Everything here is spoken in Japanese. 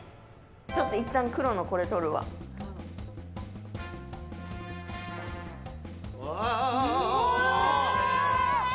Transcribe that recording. ちょっといったん黒のこれ取ああ、ああ。